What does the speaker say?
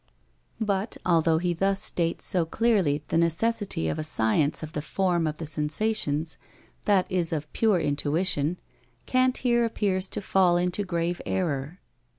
But although he thus states so clearly the necessity of a science of the form of the sensations, that is of pure intuition, Kant here appears to fall into grave error.